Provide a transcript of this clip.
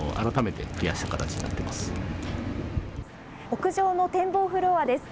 屋上の展望フロアです。